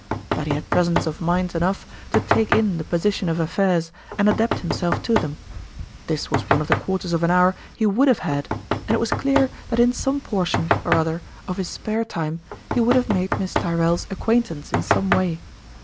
But he had presence of mind enough to take in the position of affairs, and adapt him self to them. This was one of the quarters of an hour he would have had, and it was clear that in some portion or other of his spare 3 34 tourmalin's fEiitte time he would have made Miss Tyrrell's ac quaintance in some way.